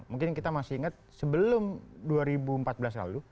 mungkin kita masih ingat sebelum dua ribu empat belas lalu